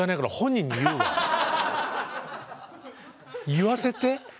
言わせて。